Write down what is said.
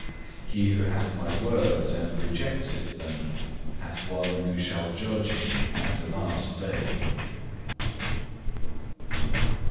He who hath My words and rejecteth them, hath one who shall judge him at the last day."